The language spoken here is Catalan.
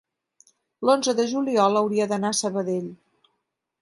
l'onze de juliol hauria d'anar a Sabadell.